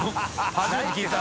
初めて聞いた。